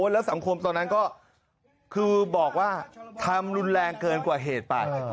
แล้วสังคมตอนนั้นก็คือบอกว่าทำรุนแรงเกินกว่าเหตุไป